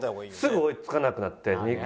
すぐ追いつかなくなって。